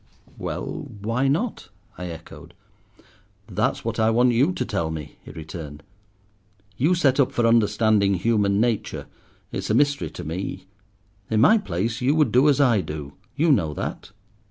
"Well, why not?" I echoed. "That's what I want you to tell me," he returned. "You set up for understanding human nature, it's a mystery to me. In my place, you would do as I do; you know that.